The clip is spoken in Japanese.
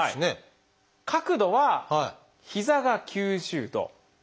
角度は膝が９０度。